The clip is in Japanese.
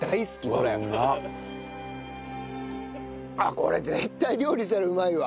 あっこれ絶対料理したらうまいわ！